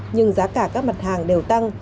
nhưng giá cả các mặt hàng đều tăng